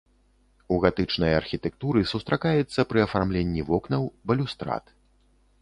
У гатычнай архітэктуры сустракаецца пры афармленні вокнаў, балюстрад.